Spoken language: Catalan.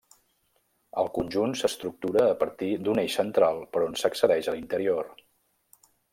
El conjunt s'estructura a partir d'un eix central per on s'accedeix a l'interior.